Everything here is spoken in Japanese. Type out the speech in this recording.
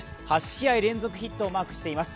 ８試合連続ヒットをマークしています。